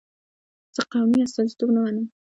زه قومي استازیتوب نه منم.